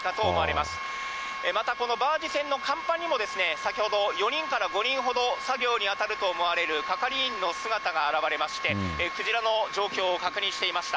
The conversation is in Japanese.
またこのバージ船の甲板にも先ほど、４人から５人ほど、作業に当たると思われる係員の姿が現れまして、クジラの状況を確認していました。